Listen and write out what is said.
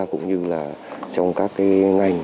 cũng như là trong các ngành